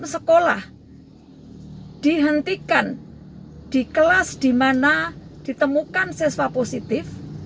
enam sekolah dihentikan di kelas di mana ditemukan seswa positif